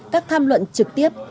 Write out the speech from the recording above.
các tham luận trực tiếp